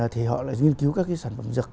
thì họ lại nghiên cứu các sản phẩm dược